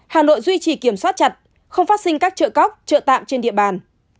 hà nội duy trì kiểm soát chặt không phát sinh các trợ cóc trợ tạm trên địa bàn